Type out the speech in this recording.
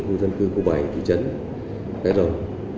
khu dân cư khu bảy thị trấn cái rồng